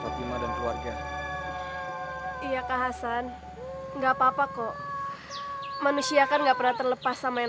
fatimah dan keluarga iya kak hasan enggak papa kok manusia kan enggak pernah terlepas sama yang